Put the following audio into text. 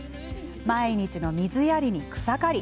毎日の水やりに、草刈り。